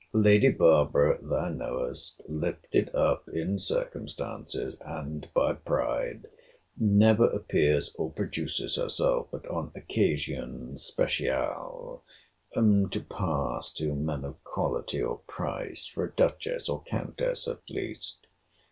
Lady Barbara thou knowest, lifted up in circumstances, and by pride, never appears or produces herself, but on occasions special—to pass to men of quality or price, for a duchess, or countess, at least.